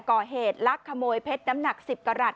ก่อเหตุลักขโมยเพชรน้ำหนัก๑๐กรัฐ